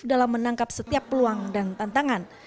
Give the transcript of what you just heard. dalam menangkap setiap peluang dan tantangan